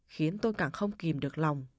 khiến tôi càng không kìm được lòng